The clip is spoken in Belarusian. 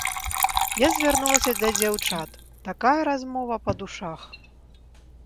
Я звярнулася да дзяўчат, такая размова па душах.